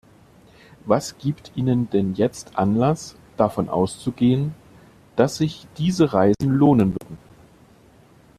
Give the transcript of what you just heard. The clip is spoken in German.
Was gibt Ihnen denn jetzt Anlass, davon auszugehen, dass sich diese Reisen lohnen würden?